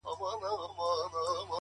• وزر مي دی راوړی سوځوې یې او که نه ,